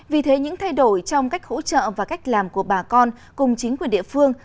vì thế những thay đổi trong cách hỗ trợ và cách làm của bà con cùng chính quyền địa phương